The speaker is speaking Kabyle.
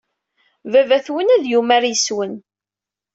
Baba-twen ad yumar yes-wen.